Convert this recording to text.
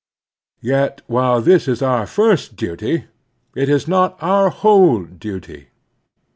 Yet while this is our first duty, it is not our whole duty.